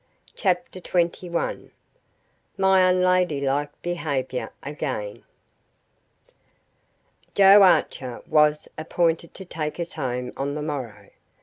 CHAPTER TWENTY ONE My Unladylike Behaviour Again Joe Archer was appointed to take us home on the morrow.